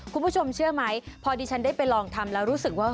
คุณผู้ชมเชื่อไหมพอดิฉันได้ไปลองทำแล้วรู้สึกว่า